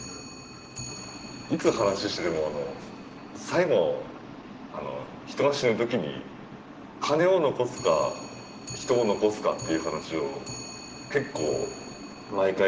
いつ話していても最後人が死ぬときに金を残すか人を残すかっていう話を結構毎回するんですよね。